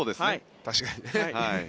確かに。